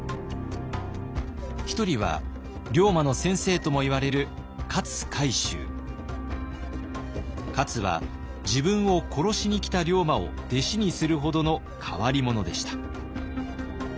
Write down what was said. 一人は龍馬の先生ともいわれる勝は自分を殺しに来た龍馬を弟子にするほどの変わり者でした。